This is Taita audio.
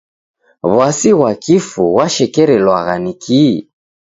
W'asi ghwa kifu ghwashekerelwagha ni kii?